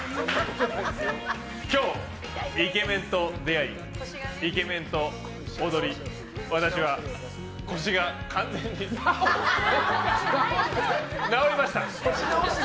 今日、イケメンと出会いイケメンと踊り私は腰が完全に治りました。